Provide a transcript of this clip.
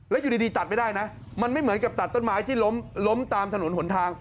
แล้วอยู่ดีตัดไม่ได้นะมันไม่เหมือนกับตัดต้นไม้ที่ล้มล้มตามถนนหนทาง